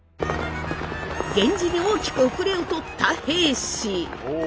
源氏に大きく後れを取った平氏。